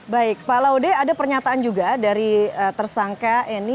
baik pak laude ada pernyataan juga dari tersangka eni